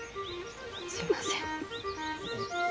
すいません。